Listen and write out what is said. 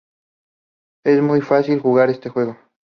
Es muy fácil jugar este juego.